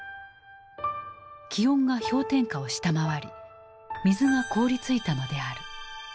気温が氷点下を下回り水が凍りついたのである。